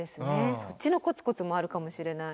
そっちのコツコツもあるかもしれない。